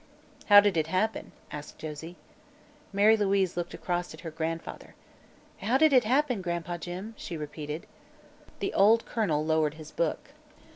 "How did it happen?" asked Josie. Mary Louise looked across at her grandfather. "How did it happen, Gran'pa Jim?" she repeated. The old colonel lowered his book.